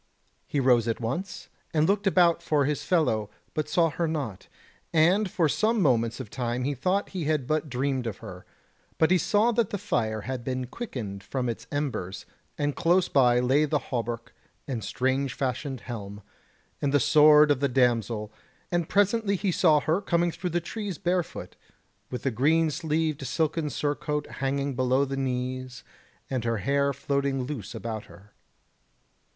He rose at once, and looked about for his fellow, but saw her not, and for some moments of time he thought he had but dreamed of her; but he saw that the fire had been quickened from its embers, and close by lay the hauberk and strange fashioned helm, and the sword of the damsel, and presently he saw her coming through the trees barefoot, with the green sleeved silken surcoat hanging below the knees and her hair floating loose about her.